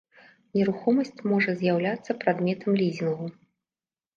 Нерухомасць можа з'яўляцца прадметам лізінгу.